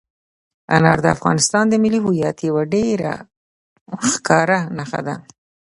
انار د افغانستان د ملي هویت یوه ډېره ښکاره نښه ده.